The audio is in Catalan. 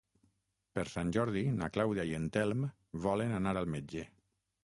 Per Sant Jordi na Clàudia i en Telm volen anar al metge.